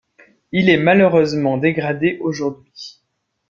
Il est malheureusement dégradé aujourd'hui.